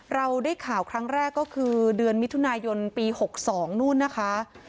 เราได้ข่าวครั้งแรกก็คือเดือนมิถุนายนปี๖๒นู่นนะคะ